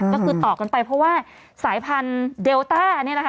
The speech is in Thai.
ก็คือต่อกันไปเพราะว่าสายพันธุ์เดลต้าเนี่ยนะคะ